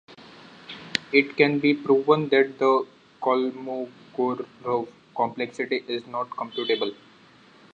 It can be proven that the Kolmogorov complexity is not computable.